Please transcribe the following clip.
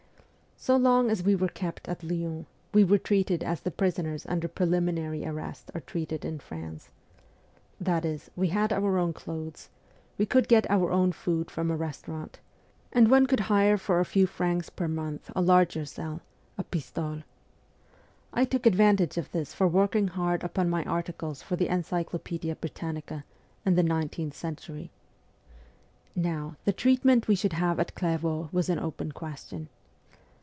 So long as we were kept at Lyons we were treated as the prisoners under preliminary arrest are treated in France ; that is, we had our own clothes, we could get our own food from a restaurant, and one could hire for a few francs per month a larger cell, a pistole. I took advantage of this for working hard upon my articles for the ' Encyclopaedia Britannica ' and the ' Nineteenth Century.' Now, the treatment we should have at Clair vaux was an open question.